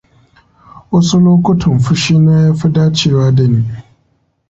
Wasu lokutan fushi na ya fi dacewa da ni.